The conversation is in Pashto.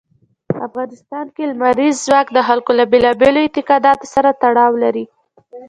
په افغانستان کې لمریز ځواک د خلکو له بېلابېلو اعتقاداتو سره تړاو لري.